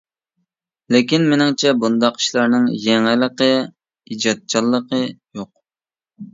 لېكىن مېنىڭچە، بۇنداق ئىشلارنىڭ يېڭىلىقى، ئىجادچانلىقى يوق.